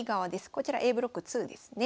こちらＡブロック２ですね。